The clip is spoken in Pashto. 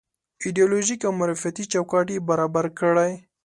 ایدیالوژيک او معرفتي چوکاټ یې برابر کړی.